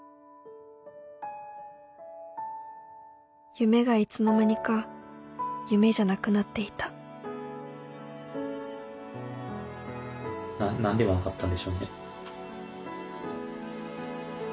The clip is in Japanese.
夢がいつの間にか夢じゃなくなっていた何で言わなかったんでしょうね。